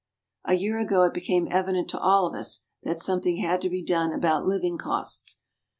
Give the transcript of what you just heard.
A year ago it became evident to all of us that something had to be done about living costs.